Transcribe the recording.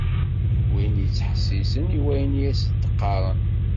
Win i yettḥessisen i wayen i asen-d-qqaren.